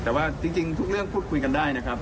แต่ว่าจริงทุกเรื่องพูดคุยกันได้นะครับ